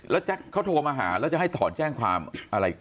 แล้วแจ๊คเขาโทรมาหาแล้วจะให้ถอนแจ้งความอะไร